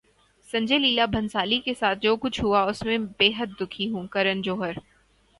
سنجے لیلا بھنسالی کے ساتھ جو کچھ ہوا اس سے میں بیحد دکھی ہوں: کرن جوہر